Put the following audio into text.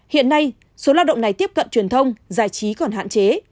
hiện nay số lao động này tiếp cận truyền thông giải trí còn hạn chế